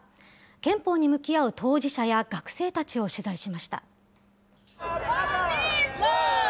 憲法に向き合う当事者や学生たちを取材しました。